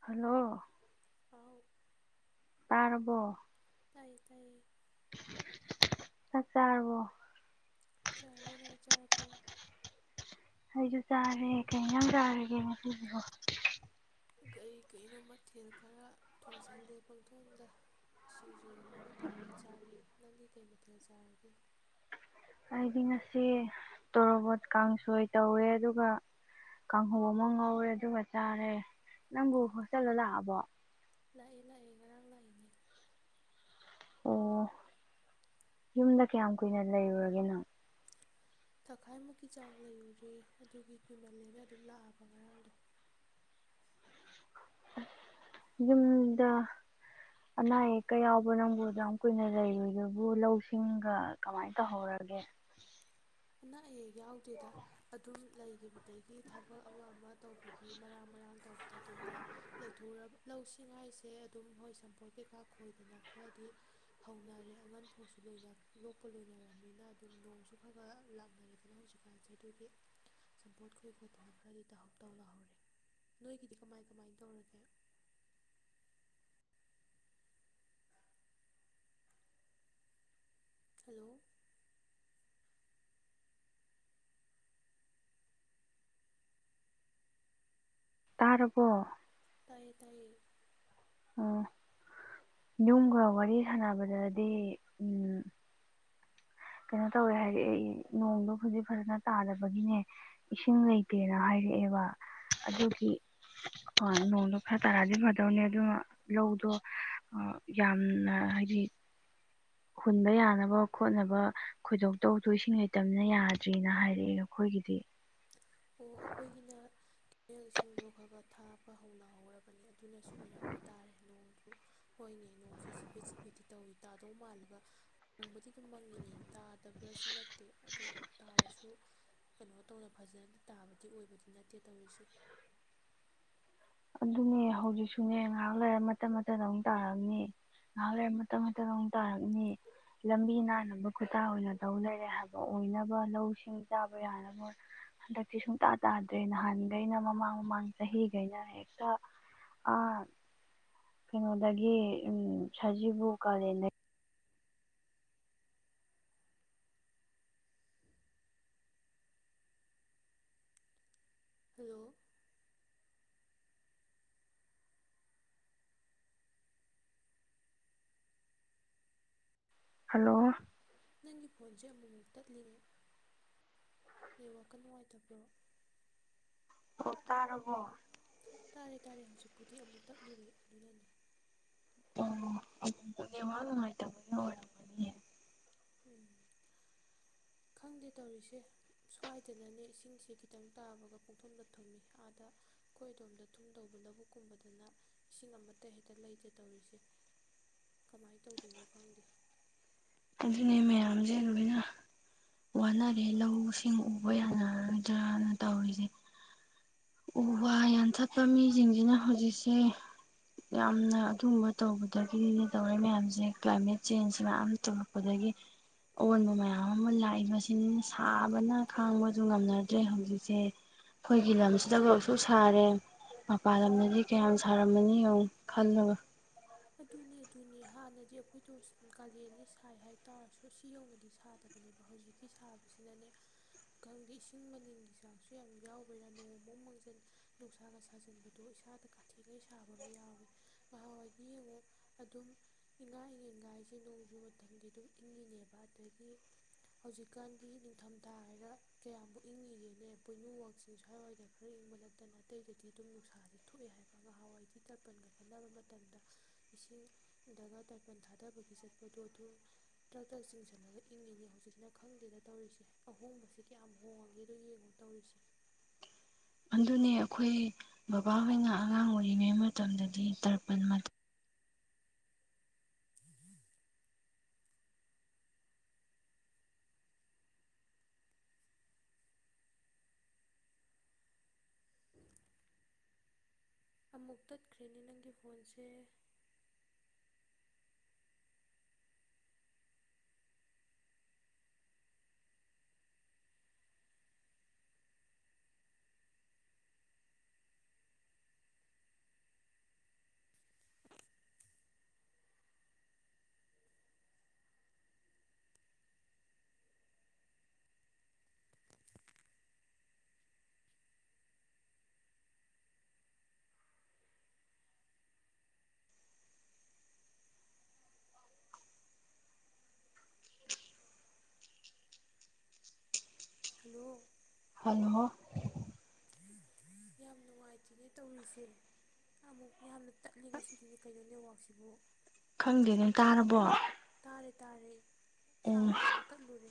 Hello ꯍꯥꯎ ꯇꯥꯔꯕꯣ ꯇꯥꯏꯌꯦ ꯇꯥꯏꯌꯦ ꯆꯥꯛ ꯆꯥꯔꯕꯣ ꯆꯥꯔꯦ ꯅꯪꯗꯤ ꯆꯥꯔꯕꯣ ꯑꯩꯁꯨ ꯆꯥꯔꯦ ꯀꯩ ꯏꯟꯖꯥꯡ ꯆꯥꯔꯒꯦ ꯉꯁꯤꯁꯤꯕꯣ ꯀꯔꯤ ꯀꯩꯅꯣ ꯃꯊꯦꯜ ꯈꯔ ꯊꯣꯡꯖꯜꯂꯦ ꯄꯪꯊꯣꯡꯗ ꯁꯤꯡꯖꯨ ꯑꯃꯒ ꯇꯧꯔꯒ ꯆꯥꯔꯤ ꯅꯪꯗꯤ ꯀꯩ ꯃꯊꯦꯜ ꯆꯥꯔꯒꯦ ꯑꯩꯗꯤ ꯉꯁꯤ ꯇꯣꯔꯣꯕꯣꯠ ꯀꯥꯡꯁꯣꯏ ꯇꯧꯋꯦ ꯑꯗꯨꯒ ꯀꯥꯡꯍꯧ ꯑꯃ ꯉꯧꯔꯦ ꯑꯗꯨꯒ ꯆꯥꯔꯦ ꯅꯪꯕꯨ ꯍꯣꯁꯇꯦꯜꯗ ꯂꯥꯛꯑꯕꯣ ꯂꯥꯛꯑ‌ꯦ ꯂꯥꯛꯑꯦ ꯉꯔꯥꯡ ꯂꯥꯛꯑ‌ꯦ ꯑꯣ ꯌꯨꯝꯗ ꯀꯌꯥꯝ ꯀꯨꯏꯅ ꯂꯩꯔꯨꯔꯒꯦ ꯅꯪ ꯊꯈꯥꯏꯃꯨꯛꯀꯤ ꯆꯥꯡ ꯂꯩꯔꯨꯔꯦ ꯑꯗꯨꯒꯤ ꯀꯨꯏꯃꯜꯂꯦꯅ ꯑꯗꯨꯝ ꯂꯥꯛꯑꯕ ꯉꯔꯥꯡꯗꯣ ꯌꯨꯝꯗ ꯑꯅꯥ ꯑꯌꯦꯛꯀ ꯌꯥꯎꯕ ꯅꯪꯕꯨ ꯑꯗꯥꯝ ꯀꯨꯏꯅ ꯂꯩꯔꯨꯏꯗꯨꯕꯨ ꯂꯧꯁꯤꯡꯒ ꯀꯃꯥꯏꯅ ꯇꯧꯍꯧꯔꯒꯦ ꯑꯅ ꯑꯩꯌꯦꯛ ꯌꯥꯎꯗꯦꯗ ꯑꯗꯨꯝ ꯂꯩꯈꯤꯕ ꯑꯗꯒꯤ ꯊꯕꯛ ꯑꯃ ꯑꯃ ꯇꯧꯕꯒꯤ ꯃꯔꯥꯡ ꯃꯔꯥꯡ ꯇꯧꯕꯗꯣ ꯑꯗꯨꯝꯅꯦ ꯂꯩꯊꯔꯕ ꯂꯧꯁꯤꯡ ꯍꯥꯏꯁꯦ ꯑꯗꯨꯝ ꯍꯣꯏ ꯁꯝꯄꯣꯠ ꯀꯩꯀꯥ ꯈꯣꯏꯗꯅ ꯈꯔꯗꯤ ꯍꯧꯅꯔꯦ ꯑꯉꯟ ꯐꯧꯁꯨ ꯂꯣꯏꯅ ꯂꫭꯛꯄ ꯂꯣꯏꯅꯔꯕꯝꯃꯤꯅ ꯑꯗꯨꯝ ꯅꯣꯡꯁꯨ ꯈ [unintelligible] ꯂꯥꯛꯅꯔꯦꯗꯅ ꯍꯧꯖꯤꯛꯀꯥꯟꯁꯦ ꯑꯗꯨꯒꯤ ꯁꯝꯄꯣꯠ ꯈꯣꯏꯏ ꯈꯣꯠꯇꯅ ꯈꯔꯗꯤ ꯇꯧꯍꯧ ꯇꯧꯍꯧꯔꯦ ꯅꯣꯏꯒꯤꯗꯤ ꯀꯃꯥꯏ ꯀꯃꯥꯏꯅ ꯇꯧꯔꯒꯦ꯫ ꯍꯜꯂꯣ꯫ ꯇꯥꯔꯕꯣ꯫ ꯇꯥꯏꯌꯦ ꯇꯥꯏꯌꯦ꯫ ꯑꯣ ꯌꯨꯝꯒ ꯋꯥꯔꯤ ꯁꯥꯟꯅꯕꯗꯗꯤ ꯎꯝ ꯀꯩꯅꯣ ꯇꯧꯋꯦ ꯍꯥꯏꯔꯛꯑꯦ ꯅꯣꯡꯗꯣ ꯍꯧꯖꯤꯛ ꯐꯖꯅ ꯇꯥꯗꯕꯒꯤꯅꯦ ꯏꯁꯤꯡ ꯂꯩꯇꯦꯅ ꯍꯥꯏꯔꯛꯑꯦꯕ ꯑꯗꯨꯒꯤ ꯍꯣꯏ ꯅꯣꯡꯗꯣ ꯈꯔ ꯇꯔꯥꯛ ꯑꯗꯤ ꯐꯗꯧꯅꯦ ꯑꯗꯨ ꯂꯧꯗꯣ ꯑ ꯌꯥꯝꯅ ꯍꯥꯏꯗꯤ ꯍꯨꯟꯕ ꯌꯥꯅꯕ ꯈꯣꯠꯅꯕ ꯈꯣꯏꯗꯣꯛꯇꯧꯗꯣ ꯏꯁꯤꯡ ꯂꯩꯇꯝꯅꯤꯅ ꯌꯥꯗ꯭ꯔꯤꯅ ꯍꯥꯏꯔꯛꯑꯦ ꯑꯩꯈꯣꯏꯒꯤꯗꯤ꯫ ꯑꯣ ꯑꯩꯈꯣꯏꯒꯤꯅ ꯀꯅꯦꯜ ꯏꯁꯤꯡꯗꯣ ꯈꯔꯒ ꯊꯥꯕ ꯍꯧꯅꯍꯧꯔꯕꯅꯦ ꯑꯗꯨꯅꯁꯨ ꯑꯣꯏꯔꯝꯕ ꯇꯥꯔꯦ ꯅꯣꯡꯗꯨ ꯍꯣꯏꯅꯦ ꯅꯣꯡꯁꯦ ꯆꯤꯐꯦꯠ ꯆꯤꯐꯦꯠꯇꯤ ꯇꯧꯏꯤ ꯇꯥꯗꯧ ꯃꯥꯜꯂꯒ ꯅꯣꯡꯃꯗꯤ ꯑꯗꯨ ꯃꯪꯉꯤꯅꯤ ꯇꯥꯗꯕ꯭ꯔꯁꯨ ꯅꯠꯇꯦ ꯑꯗꯣ ꯇꯥꯔꯁꯨ ꯀꯩꯅꯣ ꯃꯇꯧꯅ ꯐꯖꯅ ꯇꯥꯕꯗꯤ ꯑꯣꯏꯕꯗꯤ ꯅꯠꯇꯦ ꯇꯧꯔꯤꯁꯦ꯫ ꯑꯗꯨꯅꯦ ꯍꯧꯖꯤꯛꯁꯨꯅꯦ ꯉꯥꯏꯍꯥꯛ ꯂꯩꯔ ꯃꯇꯠ ꯃꯇꯠ ꯑꯃꯨꯛ ꯇꯥꯔꯅꯤ ꯉꯍꯥꯛ ꯂꯩꯔ ꯃꯇꯠ ꯃꯇꯠ ꯑꯃꯨꯛ ꯇꯥꯔꯅꯤ ꯂꯝꯕꯤ ꯅꯥꯟꯅꯕ ꯈꯨꯇꯥ ꯑꯣꯏꯅ ꯇꯧ ꯂꯩꯔꯦ ꯍꯥꯏꯕ ꯑꯣꯏꯅꯕ ꯂꯧꯁꯤꯡ ꯆꯥꯕ ꯌꯥꯅꯕ ꯍꯟꯗꯛꯇꯤ ꯁꯨꯡꯇꯥ ꯇꯥꯗ꯭ꯔꯦ ꯅꯍꯥꯟꯈꯩꯅ ꯃꯃꯥꯡ ꯃꯃꯥꯡ ꯆꯍꯤꯒꯩꯅ ꯍꯦꯛ [unintelligible] ꯑ ꯀꯩꯅꯣꯗꯒꯤ ꯎꯝ ꯁꯖꯤꯕꯨ ꯀꯥꯂꯦꯟꯗꯩ ꯍꯜꯂꯣ꯫ ꯍꯜꯂꯣ꯫ ꯅꯪꯒꯤ ꯐꯣꯟꯁꯦ ꯑꯃꯨꯛꯃꯨꯛ ꯇꯠꯂꯤꯅꯦ ꯅꯦꯠꯋꯥꯛꯀ ꯅꯨꯡꯉꯥꯏꯇꯕ꯭ꯔꯣ꯫ ꯑꯣ ꯇꯥꯔꯕꯣ꯫ ꯇꯥꯔꯦ ꯇꯥꯔꯦ ꯍꯧꯖꯤꯛꯄꯨꯗꯤ ꯑꯃꯨꯛ ꯇꯠꯂꯨꯔꯦ ꯑꯗꯨꯅꯅꯦ꯫ ꯑꯣ [unintelligible] ꯅꯦꯠꯋꯥꯛ ꯅꯨꯉꯥꯏꯇꯕ ꯎꯝ꯫ ꯈꯪꯗꯦ ꯇꯧꯔꯤꯁꯦ꯫ ꯁ꯭ꯋꯥꯏꯗꯅꯅꯦ ꯏꯁꯤꯡꯁꯦ ꯈꯤꯇꯪ ꯇꯥꯕꯒ ꯄꯨꯡꯊꯨꯝꯗ ꯊꯨꯝꯃꯤ ꯑꯥꯗ ꯑꯩꯈꯣꯏ ꯑꯗꯣꯝꯗ ꯊꯨꯝꯗꯧꯕ ꯂꯧꯕꯨꯛꯀꯨꯝꯕꯗꯅ ꯏꯁꯤꯡ ꯑꯃꯠꯇ ꯍꯦꯛꯇ ꯂꯩꯇꯦ ꯇꯧꯔꯤꯁꯦ꯫ ꯀꯃꯥꯏ ꯇꯧꯗꯣꯏꯅꯣ ꯈꯪꯗꯦ꯫ ꯑꯗꯨꯅꯦ ꯃꯌꯥꯝꯖꯦ ꯂꯣꯏꯅ ꯋꯥꯅꯔꯦ ꯂꯧꯁꯤꯡ ꯎꯕ ꯌꯥꯅꯅꯔꯔꯣꯗꯔꯅ ꯇꯧꯔꯤꯖꯦ꯫ ꯎ ꯋꯥ ꯌꯥꯟꯊꯠꯄ ꯃꯤꯁꯤꯡꯁꯤꯅ ꯍꯧꯖꯤꯛꯁꯦ ꯌꯥꯝꯅ ꯑꯗꯨꯒꯨꯝꯕ ꯇꯧꯕꯗꯒꯤꯅꯤꯅꯦ ꯇꯧꯔꯛꯏ ꯃꯌꯥꯝꯖꯦ ꯀ꯭ꯂꯥꯏꯃꯦꯠ ꯆꯦꯟꯖ ꯃꯌꯥꯝ ꯇꯧ ꯄꯗꯒꯤ ꯑꯑꯣꯟꯕ ꯃꯌꯥꯝ ꯑꯃ ꯂꯥꯛꯏꯕꯁꯤꯅꯤꯅꯦ ꯁꯥꯕꯅ ꯈꯥꯡꯕꯁꯨ ꯉꯝꯅꯗ꯭ꯔꯦ ꯍꯧꯖꯤꯛꯁꯦ ꯑꯩꯈꯣꯏꯒꯤ ꯂꯝ ꯁꯤꯗꯕꯨꯛ ꯁꯨꯛ ꯁꯥꯔꯦ ꯃꯄꯥꯟ ꯂꯝꯗꯗꯤ ꯀꯌꯥꯝ ꯁꯥꯔꯝꯃꯅꯤ ꯌꯦꯡꯉꯨ ꯈꯜꯂꯒ꯫ ꯑꯗꯨꯅꯦ ꯑꯗꯨꯅꯦ ꯍꯥꯟꯅꯗꯤ ꯑꯩꯈꯣꯏꯗꯣ ꯀꯥꯂꯦꯟꯅꯤ ꯁꯥꯏ ꯍꯥꯏꯇꯥꯔꯁꯨ ꯁꯤ ꯌꯧꯅꯗꯤ ꯁꯥꯗ ꯅꯦꯕ ꯍꯧꯖꯤꯛꯀꯤ ꯁꯥꯕꯁꯤꯅꯅꯦ ꯈꯪꯗꯦ ꯏꯁꯤꯡ ꯃꯅꯤꯟꯒꯤ ꯆꯥꯡꯁꯨ ꯌꯥꯝ ꯌꯥꯎꯕꯩꯔꯥ ꯅꯣꯡ ꯑꯃꯨꯛ ꯃꯪꯖꯟ ꯅꯨꯡꯁꯥꯒ ꯁꯥꯖꯟꯕꯗꯣ ꯏꯁꯥꯗ ꯀꯥꯊꯦꯛꯉꯩ ꯁꯥꯕ ꯑꯃ ꯌꯥꯎꯏ ꯉꯍꯥꯋꯥꯏ ꯗꯤ ꯌꯦꯡꯉꯨ ꯑꯗꯨꯝ ꯏꯉꯥ ꯏꯪꯉꯦꯟꯒꯁꯦ ꯅꯣꯡꯖꯨ ꯃꯇꯝꯒꯤ ꯑꯗꯨꯝ ꯏꯪꯉꯤꯅꯦꯕ ꯑꯗꯒꯤ ꯍꯧꯖꯤꯛꯀꯥꯟꯗꯤ ꯅꯤꯡꯊꯝꯊꯥ ꯍꯥꯏꯔ ꯀꯌꯥꯃꯨꯛ ꯏꯪꯉꯤꯒꯦꯅꯦ ꯄꯣꯏꯅꯨ ꯋꯥꯛꯁꯤꯡ ꯁ꯭ꯋꯥꯏꯋꯥꯏꯗꯅ꯫ ꯔ ꯏꯪꯕ ꯅꯠꯇꯅ ꯑꯇꯩꯗꯗꯤ ꯑꯗꯨꯝ ꯅꯨꯡꯁꯥꯁꯦ ꯊꯣꯛꯑꯦ ꯍꯥꯏꯕ ꯅꯍꯥꯟꯋꯥꯏꯗꯤ ꯇꯔꯄꯟꯒ ꯀꯠꯅꯕ ꯃꯇꯝꯗ꯫ ꯏꯁꯤꯡꯗꯒ ꯇꯔꯄꯟ ꯊꯥꯗꯕꯒꯤ ꯆꯠꯄꯗꯣ ꯑꯗꯨꯝ꯫ ꯇ꯭ꯔꯛ ꯇ꯭ꯔꯛ ꯆꯤꯡꯁꯤꯜꯂꯒ ꯏꯪꯉꯤꯅꯦ ꯍꯧꯖꯤꯛꯅ ꯈꯪꯗꯦꯗ ꯇꯧꯔꯤꯁꯦ ꯑꯍꯣꯡꯕꯁꯦ ꯀꯌꯥꯝ ꯍꯣꯡꯉꯒꯦꯗꯣ ꯌꯦꯡꯉꯨꯅ꯫ ꯇꯧꯔꯤꯁꯦ꯫ ꯑꯗꯨꯅꯤ ꯑꯩꯈꯣꯏ ꯕꯕꯥꯍꯣꯏꯅ ꯑꯉꯥꯡ ꯑꯣꯏꯔꯤꯉꯩ ꯃꯇꯝꯗꯗꯤ ꯇꯔꯄꯜ ꯎꯝꯝ [inaudible] ꯑꯃꯨꯛ ꯇꯠꯈ꯭ꯔꯦꯅꯦ ꯅꯪꯒꯤ ꯐꯣꯟꯁꯦ ꯍꯜꯂꯣ ꯍꯜꯂꯣ ꯌꯥꯝ ꯅꯨꯡꯉꯥꯏꯇꯦꯅꯦ ꯇꯧꯔꯤꯁꯦ ꯑꯃꯨꯛ ꯌꯥꯝꯅ ꯇꯠꯂꯤ ꯉꯁꯤꯒꯤꯗꯤ ꯀꯩꯅꯣ ꯅꯦꯠꯋꯥꯛꯁꯤꯕꯨ꯫ ꯈꯪꯗꯦꯅꯦ ꯇꯥꯔꯕꯣ꯫ ꯇꯥꯔꯦ ꯇꯥꯔꯦ ꯎꯝ ꯁꯥꯡꯅ ꯑꯃꯨꯛ ꯇꯠꯂꯨꯔꯦ꯫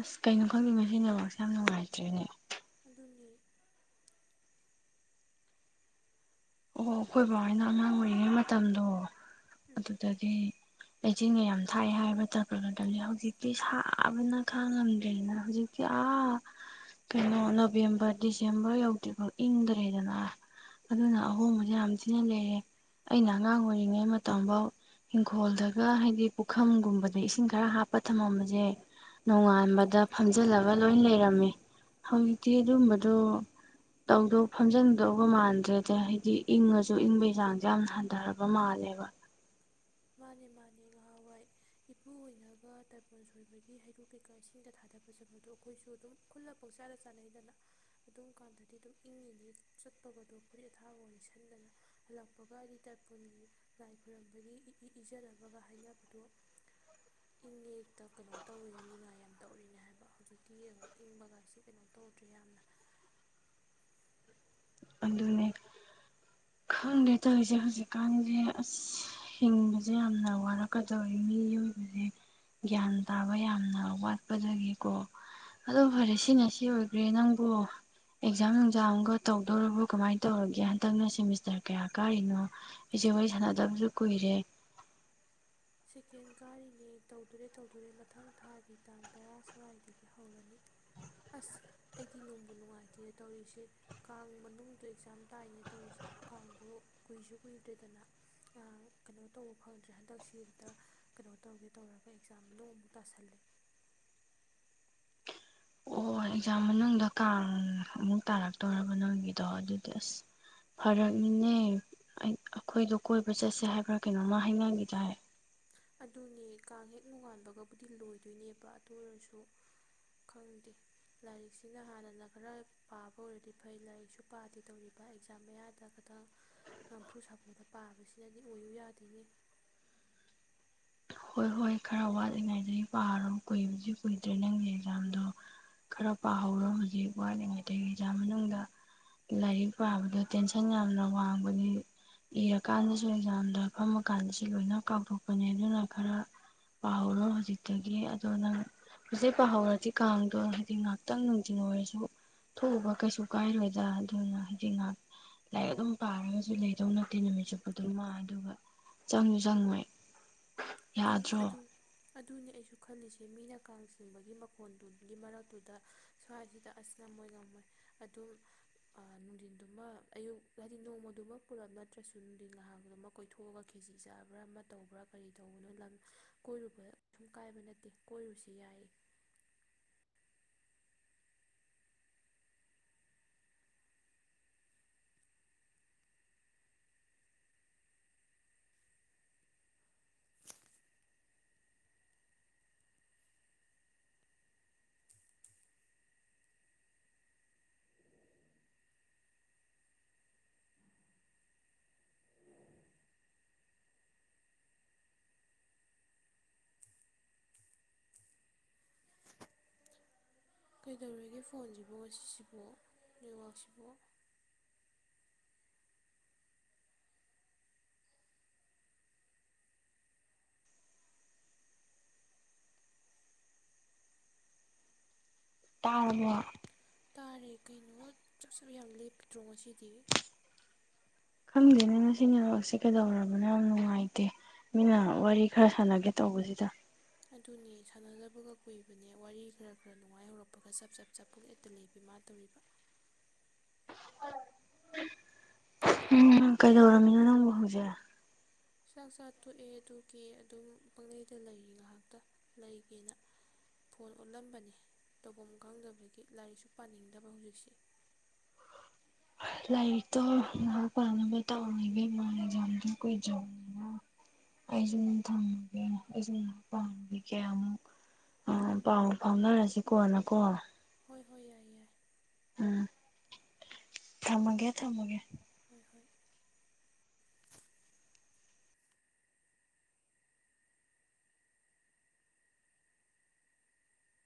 ꯑꯁ ꯀꯩꯅꯣ ꯈꯪꯗꯦ ꯉꯁꯤ ꯅꯦꯠꯋꯥꯛꯁꯦ ꯌꯥꯝ ꯅꯨꯡꯉꯥꯏꯇꯔꯦꯅꯦ꯫ ꯑꯗꯨꯅꯦ ꯑꯣ ꯑꯩꯈꯣꯏ ꯕꯕꯥ ꯍꯣꯢꯅ ꯑꯉꯥꯡ ꯑꯣꯏꯔꯤꯉꯩ ꯃꯇꯝꯗꯣ ꯎꯝ ꯑꯗꯨꯗꯗꯤ ꯂꯩꯆꯤꯟꯒ ꯌꯥꯝ ꯊꯥꯏ ꯍꯥꯏꯕ ꯇꯥꯔꯄꯥꯜ ꯃꯇꯝꯁꯤ ꯍꯧꯖꯤꯛꯇꯤ ꯁꯥꯕꯅ ꯈꯥꯡꯉꯝꯗ꯭ꯔꯦꯅ ꯍꯧꯖꯤꯛ ꯌꯥ [inaudible] ꯀꯩꯅꯣ ꯅꯕꯦꯝꯕꯔ ꯗꯤꯁꯦꯝꯕꯔ ꯌꯧꯗ꯭ꯔꯤꯐꯥꯎ ꯏꯪꯗ꯭ꯔꯦꯗꯅ ꯑꯗꯨꯅ ꯑꯍꯣꯡꯕꯁꯦ ꯌꯥꯝ ꯊꯤꯅ ꯂꯩꯔꯦ ꯑꯩꯅ ꯑꯉꯥꯡ ꯑꯣꯏꯔꯤꯉꯩ ꯃꯇꯝꯐꯥꯎ ꯏꯪꯈꯣꯜꯗꯒ ꯍꯥꯏꯗꯤ ꯄꯨꯈꯝꯒꯨꯝꯕꯗ ꯏꯁꯤꯡ ꯈꯔ ꯍꯥꯞꯄ ꯊꯝꯃꯝꯕꯁꯦ ꯅꯣꯡꯉꯥꯟꯕꯗ ꯐꯝꯖꯤꯜꯂꯒ ꯂꯣꯏ ꯂꯩꯔꯝꯃꯦ ꯍꯧꯖꯤꯛꯇꯤ ꯑꯗꯨꯝꯕꯗꯨ꯫ ꯇꯧꯗꯧ ꯐꯝꯖꯤꯟꯗꯧꯕ ꯃꯥꯟꯗ꯭ꯔꯦꯗ꯫ ꯍꯥꯏꯗꯤ ꯏꯪꯉꯁꯨ ꯏꯪꯕꯒꯤ ꯆꯥꯡꯁꯦ ꯌꯥꯝꯅ ꯍꯟꯊꯔꯕ ꯃꯥꯜꯂꯦꯕ꯫ ꯃꯥꯅꯤ ꯃꯥꯅꯤ ꯅꯍꯥꯟꯋꯥꯏ ꯏꯄꯨ ꯑꯣꯏꯅꯒ ꯇꯥꯏꯄꯣꯟ ꯁꯣꯏꯕꯒꯤ ꯍꯩꯔꯨꯛ ꯀꯩꯀꯥ ꯏꯁꯤꯡꯗ ꯊꯥꯗꯕ ꯆꯠꯄꯗꯣ ꯑꯩꯈꯣꯏꯁꯨ ꯑꯗꯨꯝ ꯈꯨꯜꯂ ꯄꯥꯡꯆꯥꯗ ꯆꯥꯅꯩꯗꯅ ꯑꯗꯨꯝ ꯀꯥꯟꯗꯗꯤ ꯑꯗꯨꯝ ꯏꯪꯉꯤꯅꯦ ꯆꯠꯄꯒꯗꯣ ꯐꯨꯔꯤꯠ ꯑꯊꯥꯒꯗꯣ ꯂꯤꯠꯁꯤꯟꯗꯅ ꯍꯜꯂꯛꯄꯒ ꯍꯥꯏꯗꯤ ꯇꯔꯄꯣꯟꯒꯤ ꯂꯥꯏ ꯈꯣꯏꯔꯝꯕꯒꯤ ꯏ ꯏꯖꯅꯕꯒ [inaudible] ꯍꯥꯏꯅꯕꯗꯣ ꯏꯪꯌꯦꯅ ꯅꯤꯡ ꯀꯩꯅꯣ ꯇꯧꯔꯤꯅꯦ ꯅꯤꯡꯉꯥꯏ ꯌꯥꯝ ꯇꯧꯔꯤꯅꯦ ꯍꯥꯏꯕ ꯍꯧꯖꯤꯛꯇꯤ ꯌꯦꯡꯉꯣ ꯏꯪꯕꯒꯥꯏꯁꯦ ꯀꯩꯅꯣ ꯇꯧꯗ꯭ꯔꯦ ꯌꯥꯝꯅ ꯑꯗꯨꯅꯦ ꯈꯪꯗꯦ ꯇꯧꯔꯤꯁꯦ ꯍꯧꯖꯤꯛꯀꯥꯟꯁꯦ ꯑꯁ ꯍꯤꯡꯕꯁꯦ ꯌꯥꯝꯅ ꯋꯥꯔꯛꯀꯗꯧꯔꯤ ꯃꯤꯑꯣꯢꯕꯁꯦ ꯒ꯭ꯌꯥꯟ ꯇꯥꯕ ꯌꯥꯝꯅ ꯋꯥꯠꯄꯗꯒꯤꯀꯣ ꯑꯗꯣ ꯐꯔꯦ ꯁꯤꯅꯦ ꯁꯤ ꯑꯣꯏꯈ꯭ꯔꯦ ꯅꯪꯕꯨ ꯑꯦꯛꯖꯥꯝ ꯅꯨꯡꯖꯥꯝꯒ ꯇꯧꯕ ꯇꯧꯔꯕꯣ ꯀꯃꯥꯏꯅ ꯇꯧꯔꯒꯦ ꯍꯟꯗꯛꯅ ꯁꯦꯃꯤꯁꯇꯔ ꯀꯌꯥ ꯀꯥꯔꯤꯅꯣ ꯢꯆꯦ ꯋꯥꯔꯤ ꯁꯥꯟꯅꯗꯕꯁꯨ ꯀꯨꯏꯔꯦ ꯁꯦꯀꯦꯟ ꯀꯥꯔꯤꯅꯦ ꯇꯧꯗꯨꯔꯦ ꯇꯧꯗꯣꯔꯦ ꯃꯊꯪ ꯊꯥꯒꯤ ꯇꯥꯡ ꯇꯔꯥ ꯁ꯭ꯋꯥꯏꯗꯒꯤ ꯍꯧꯔꯅꯤ ꯑꯁ ꯑꯩꯗꯤ ꯅꯨꯡꯕꯨ ꯅꯨꯡꯉꯥꯏꯇꯦ ꯇꯧꯔꯤꯁꯦ ꯀꯥꯡ ꯃꯅꯨꯡꯗꯣ ꯑꯦꯛꯖꯥꯝ ꯇꯥꯏꯅꯦ ꯇꯧꯔꯤꯁꯦ ꯀꯥꯡꯗꯣ ꯀꯨꯏꯁꯨ ꯀꯨꯏꯗ꯭ꯔꯦꯗꯅ ꯀꯩꯅꯣ ꯇꯧꯕ ꯐꯪꯗ꯭ꯔꯦ ꯍꯟꯗꯛꯁꯤ ꯗ ꯀꯩꯅꯣ ꯇꯧꯒꯦ ꯇꯧꯔꯒ ꯑꯦꯛꯖꯥꯝꯗꯣ ꯑꯃꯨꯛ ꯇꯥꯁꯜꯂꯦ ꯑꯣ ꯑꯦꯛꯖꯥꯝ ꯃꯅꯨꯡꯗ ꯀꯥꯡ ꯑꯃꯨꯛ ꯇꯥꯔꯛꯇꯣꯔꯕ ꯅꯪꯒꯤꯗꯣ ꯑꯗꯨꯗꯤ ꯑꯁ ꯐꯔꯛꯅꯤꯅꯦ ꯑꯩꯈꯣꯏꯗꯣ ꯀꯣꯏꯕ ꯆꯠꯁꯦ ꯍꯥꯏꯕ꯭ꯔꯥ ꯀꯩꯅꯣꯃ ꯍꯥꯏꯅꯈꯤꯗꯥꯢꯅꯦ ꯑꯗꯨꯅꯦ ꯀꯥꯡ ꯍꯦꯛ ꯅꯣꯉꯥꯟꯕꯒꯕꯨꯗꯤ ꯂꯣꯏꯗꯣꯏꯅꯦꯕ ꯑꯗꯨ ꯑꯣꯏꯔꯁꯨ ꯈꯪꯗꯦ ꯂꯥꯏꯔꯤꯛꯁꯤꯅ ꯍꯥꯟꯅꯅ ꯈꯔ ꯄꯥꯕ ꯑꯣꯏꯔꯗꯤ ꯐꯩ ꯂꯥꯏꯔꯤꯛꯁꯨ ꯄꯥꯗꯦ ꯇꯧꯔꯤꯕ ꯑꯦꯛꯖꯥꯝ ꯃꯌꯥꯗ ꯈꯛꯇꯪ ꯅꯝꯐꯨ ꯁꯥꯐꯨꯗ ꯄꯥꯕꯁꯤꯅꯗꯤ ꯑꯣꯏꯌꯨ ꯌꯥꯗꯦꯅꯦ ꯍꯣꯏ ꯍꯣꯏ ꯈꯔ ꯋꯥꯠꯂꯤꯉꯩꯗꯒꯤ ꯄꯥꯔꯣ ꯀꯨꯏꯕꯨꯗꯤ ꯀꯨꯏꯗ꯭ꯔꯦ ꯅꯪꯒꯤ ꯑꯦꯛꯖꯥꯝꯗꯣ ꯈꯔ ꯄꯥꯍꯧꯔꯣ ꯍꯧꯖꯤꯛ ꯋꯥꯠꯂꯤꯉꯩꯗꯒꯤ ꯑꯦꯛꯖꯥꯝ ꯃꯅꯨꯡꯗ ꯂꯥꯏꯔꯤꯛ ꯄꯥꯕꯗ ꯇꯦꯟꯁꯟ ꯌꯥꯝꯅ ꯋꯥꯡꯕꯅꯤ ꯏꯔꯀꯥꯟꯗꯁꯨ ꯑꯦꯛꯖꯥꯝꯗꯣ ꯐꯝꯃ ꯀꯥꯟꯗꯁꯨ ꯂꯣꯏꯅ ꯀꯥꯎꯊꯣꯛꯄꯅꯦ ꯑꯗꯨꯅ ꯈꯔ ꯄꯥꯍꯧꯔꯣ ꯍꯧꯖꯤꯛꯇꯒꯤ ꯑꯗꯣ ꯅꯪ ꯍꯧꯖꯤꯛ ꯄꯥꯍꯧꯔꯗꯤ ꯀꯥꯡꯗꯣ ꯍꯥꯏꯗꯤ ꯉꯥꯛꯇꯪ ꯅꯨꯡꯊꯤꯟ ꯑꯣꯏꯔꯁꯨ ꯊꯣꯛꯎꯕ ꯀꯩꯁꯨ ꯀꯥꯏꯔꯣꯏꯗ ꯑꯗꯨꯅ ꯍꯥꯏꯗꯤ ꯉꯥꯏꯍꯥꯛ ꯂꯥꯏꯔꯤꯛ ꯑꯗꯨꯝ ꯄꯥꯔꯒꯁꯨ ꯂꯩꯗꯧ ꯅꯠꯇꯦ ꯅꯨꯃꯤꯠ ꯆꯨꯞꯄ ꯗꯨꯃꯥ ꯑꯗꯨꯒ ꯆꯪꯁꯨ ꯆꯪꯉꯣꯏ ꯑꯗꯨꯝ ꯌꯥꯗ꯭ꯔꯣ ꯑꯗꯨꯝ ꯑꯗꯨꯅꯦ ꯑꯩꯁꯨ ꯈꯜꯂꯤꯁꯦ ꯃꯤꯅ ꯀꯥꯡ ꯆꯤꯡꯕꯒꯤ ꯃꯈꯣꯟꯗꯨꯠꯒꯤ ꯃꯔꯛꯇꯨꯗ ꯁ꯭ꯋꯥꯏꯁꯤꯗ ꯑꯁ ꯉꯝꯃꯣꯏ ꯉꯝꯃꯣꯏ ꯑꯗꯨꯝ ꯑꯥ ꯅꯨꯡꯊꯤꯟꯗꯨꯃ ꯑꯌꯨꯛ ꯍꯥꯏꯗꯤ ꯅꯣꯡꯃꯗꯨꯃꯛ ꯄꯨꯂꯞ ꯅꯠꯇ꯭ꯔꯁꯨ ꯅꯨꯡꯊꯤꯟ ꯉꯍꯥꯡꯗꯨꯃꯛ ꯀꯣꯏꯊꯣꯛꯑꯒ ꯈꯦꯖꯤ ꯆꯥꯕ꯭ꯔꯥ ꯑꯃ ꯇꯧꯕ꯭ꯔꯥ ꯀꯔꯤ ꯇꯧꯕꯗꯣ ꯂꯪ ꯀꯣꯏꯔꯨꯕ ꯁꯨꯝ ꯀꯥꯏꯕ ꯅꯠꯇꯦ ꯀꯣꯏꯔꯨꯁꯤ ꯌꯥꯏꯌꯦ ꯀꯩꯗꯧꯔꯒꯦ ꯐꯣꯟꯁꯤꯕꯣ ꯉꯁꯤꯁꯤꯕꯣ ꯅꯦꯠꯋꯥꯛꯁꯤꯕꯣ ꯇꯥꯔꯕꯣ ꯇꯥꯔꯦ ꯀꯩꯅꯣ ꯆꯞ ꯆꯞ ꯌꯥꯝ ꯂꯦꯞꯇ꯭ꯔꯣ ꯉꯁꯤꯗꯤ ꯈꯪꯗꯦꯅꯦ ꯉꯁꯤ ꯅꯦꯠꯋꯥꯛꯁꯦ ꯀꯩꯗꯧꯔꯕꯅꯣ ꯌꯥꯝ ꯅꯨꯡꯉꯥꯏꯇꯦ ꯃꯤꯅ ꯋꯥꯔꯤ ꯈ꯭ꯔ ꯁꯥꯟꯅꯒꯦ ꯇꯧꯕꯁꯤꯗ ꯑꯗꯨꯅꯦ ꯁꯥꯟꯅꯗꯕꯒ ꯀꯨꯏꯕꯅꯦ ꯋꯥꯔꯤ ꯈ꯭ꯔ ꯈ꯭ꯔ ꯅꯨꯡꯉꯥꯏ ꯍꯧꯔꯛꯄꯒ ꯆꯞ ꯆꯞ ꯆꯞꯄꯨꯔꯦ ꯇꯨꯂꯦ ꯕꯦꯝꯃꯥ ꯇꯧꯔꯤꯕ ꯎꯝ ꯀꯩꯗꯧꯔꯝꯃꯤꯅꯣ ꯅꯪꯕꯨ ꯍꯧꯖꯤꯛ ꯆꯥꯛ ꯆꯥ ꯇꯣꯛꯑꯦ ꯑꯗꯨꯒꯤ ꯑꯗꯨꯝ ꯄꯪꯂꯩꯗ ꯂꯩꯔꯤ ꯉꯥꯏꯍꯥꯛꯇ ꯂꯩꯒꯦꯅ ꯐꯣꯜ ꯑꯣꯠꯂꯝꯕꯅꯦ ꯇꯧꯕꯝ ꯈꯪꯗꯕꯒꯤ ꯂꯥꯏꯔꯤꯛꯁꯨ ꯄꯥꯅꯤꯡꯗꯕ ꯍꯧꯖꯤꯛꯁꯦ ꯂꯥꯏꯔꯤꯛꯇꯣ ꯉꯥꯛ ꯄꯥꯅꯕ ꯇꯧꯔꯤꯒꯦ [unintelligible] ꯑꯦꯛꯖꯥꯝꯗꯣ ꯀꯨꯏꯗ꯭ꯔꯕꯅꯤꯅ ꯑꯩꯁꯨ ꯅꯨꯡ ꯊꯝꯃꯒꯦ ꯑꯩꯁꯨ ꯉꯥꯛ ꯄꯥꯅꯨꯒꯦ ꯀꯌꯥꯃꯨꯛ ꯑ ꯥꯄꯥꯎ ꯐꯥꯎꯅꯔꯁꯤ ꯀꯣꯟꯅꯀꯣ ꯍꯣꯏ ꯍꯣꯏ ꯌꯥꯏ ꯌꯥꯏ ꯎꯝ ꯊꯝꯃꯒꯦ ꯊꯝꯃꯒꯦ ꯍꯣꯏ ꯍꯣꯏ